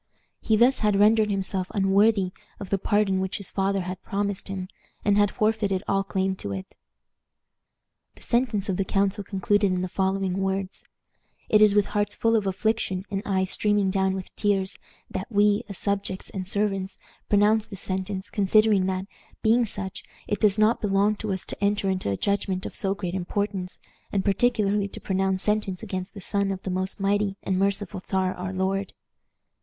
He thus had rendered himself unworthy of the pardon which his father had promised him, and had forfeited all claim to it." The sentence of the council concluded in the following words: "It is with hearts full of affliction and eyes streaming down with tears that we, as subjects and servants, pronounce this sentence, considering that, being such, it does not belong to us to enter into a judgment of so great importance, and particularly to pronounce sentence against the son of the most mighty and merciful Czar our lord.